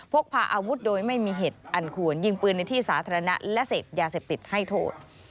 พกพาอาวุธโดยไม่มีเหตุอันควรยิงปืนในที่สาธารณะและเสพยาเสพติดให้โทษ